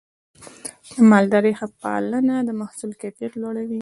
د مالدارۍ ښه پالنه د محصول کیفیت لوړوي.